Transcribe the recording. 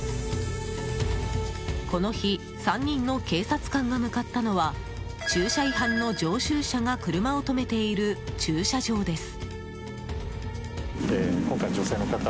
この日３人の警察官が向かったのは駐車違反の常習者が車を止めている駐車場です。